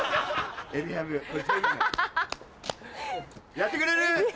やってくれる？